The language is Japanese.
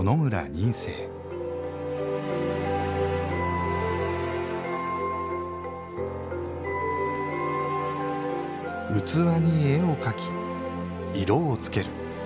仁清器に絵を描き色をつける。